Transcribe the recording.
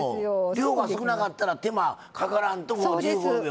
量が少なかったら手間かからんともう１５秒で。